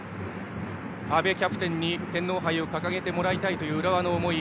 阿部キャプテンに天皇杯を掲げてもらいたいという浦和の思い。